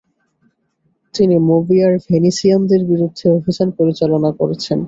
তিনি মোরিয়ার ভেনিসিয়ানদের বিরুদ্ধে অভিযান পরিচালনা করেছেন।